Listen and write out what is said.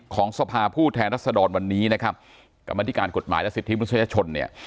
ของทรภาผู้แทนรัศดรวรรณ์วันนี้นะครับกรรมธิการกฎหมายและสิทธิบุญชชน